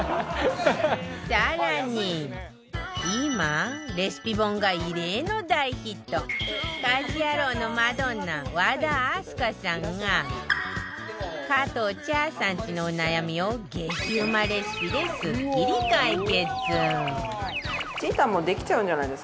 更に今レシピ本が異例の大ヒット『家事ヤロウ！！！』のマドンナ和田明日香さんが加藤茶さんちのお悩みを激うまレシピですっきり解決